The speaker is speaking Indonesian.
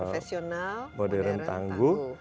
profesional modern tangguh